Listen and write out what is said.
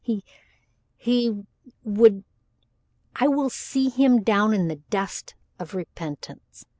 He he would I will see him down in the dust of repentance.